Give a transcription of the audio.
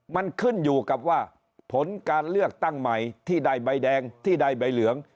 มันขึ้นอยู่กับว่าผลการเลือกตั้งใหม่ที่ได้ใบแดงที่ใดใบเหลือง